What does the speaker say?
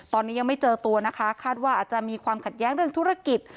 ตอนนี้ยังไม่เจอตัวนะคะคาดว่าอาจจะมีความขัดแย้งเรื่องธุรกิจ